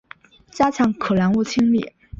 加强可燃物清理